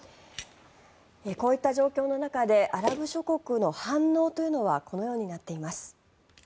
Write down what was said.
こういった状況の中でアラブ諸国の反応というのはこのようになっています。